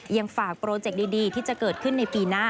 ยังฝากโปรเจคดีที่จะเกิดขึ้นในปีหน้า